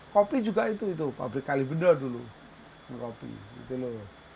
kopi juga itu pabrik kalibenda dulu